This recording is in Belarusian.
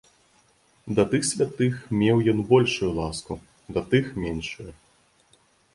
Да тых святых меў ён большую ласку, да тых меншую.